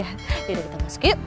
yaudah kita masuk yuk